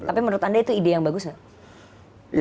tapi menurut anda itu ide yang bagus nggak